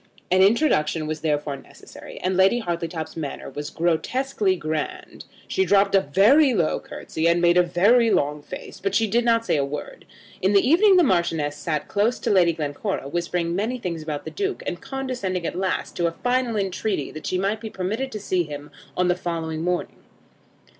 An introduction was therefore necessary, and Lady Hartletop's manner was grotesquely grand. She dropped a very low curtsey, and made a very long face, but she did not say a word. In the evening the Marchioness sat close to Lady Glencora, whispering many things about the Duke; and condescending at last to a final entreaty that she might be permitted to see him on the following morning.